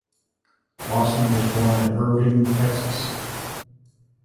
Wasson was born in Irving, Texas.